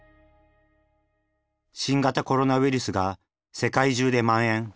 新型コロナウイルスが世界中でまん延。